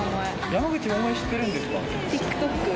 山口百恵、知ってるんですか？